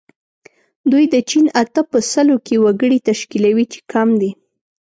دوی د چین اته په سلو کې وګړي تشکیلوي چې کم دي.